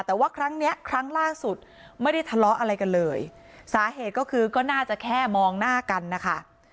แต่ว่าครั้งเนี้ยครั้งล่าสุดไม่ได้ทะเลาะอะไรกันเลยสาเหตุก็คือก็น่าจะแค่มองหน้ากันนะคะ